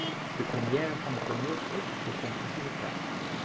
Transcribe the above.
De première van het toneelstuk begon precies op tijd.